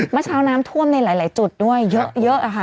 เมื่อเช้าน้ำท่วมในหลายจุดด้วยเยอะค่ะ